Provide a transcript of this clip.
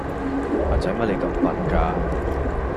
阿仔乜你咁笨架